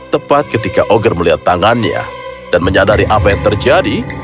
tepat ketika oger melihat tangannya dan menyadari apa yang terjadi